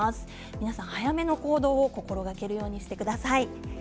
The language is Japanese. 皆さん早めの行動を心がけるようにしてください。